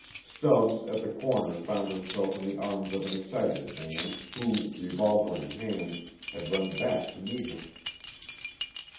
Stubbs at the corner found himself in the arms of an excited man, who, revolver in hand, had run back to meet him.